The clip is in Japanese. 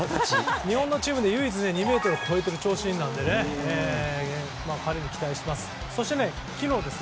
日本チームで唯一２ｍを超えている長身なので彼にも期待しています。